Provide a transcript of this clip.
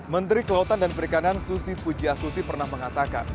menteri kelautan dan perikanan susi pujiastuti pernah mengatakan